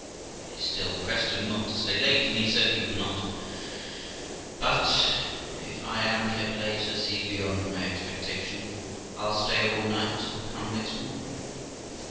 I still pressed him not to stay late, and he said he would not. 'But u I am kept late ', says he, beyond my expectation, I'll stay all night, and come next morning.'